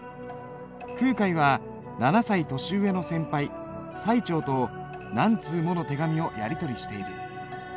空海は７歳年上の先輩最澄と何通もの手紙をやり取りしている。